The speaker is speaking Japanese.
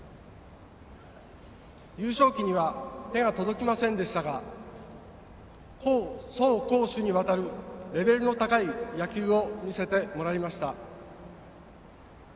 優勝旗には手が届きませんでしたが走攻守にわたるレベルの高い野球を見せてもらいました。